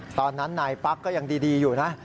ตอนนั้นนายปั๊กก็ยังดีอยู่นะ